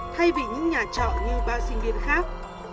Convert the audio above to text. thay vì những nhà trọ như bao sinh viên khác